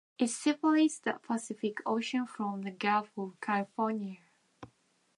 It separates the Pacific Ocean from the Gulf of California.